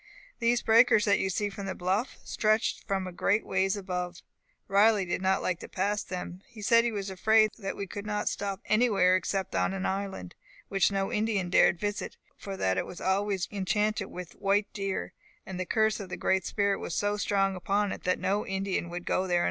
These breakers that you see from the bluff, stretch from a great ways above. Riley did not like to pass them. He said he was afraid we could not stop anywhere, except on an island, which no Indian dared to visit; for that it was always enchanted with white deer,[#] and the curse of the Great Spirit was so strong upon it that no Indian could go there and live.